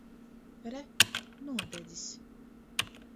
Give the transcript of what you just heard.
Re! Nodedzis!